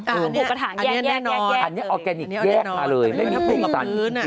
อันนี้ออร์แกนิคแยกมาเลยไม่มีผูกกับพื้น